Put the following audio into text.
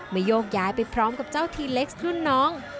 โยกย้ายไปพร้อมกับเจ้าทีเล็กซ์รุ่นน้อง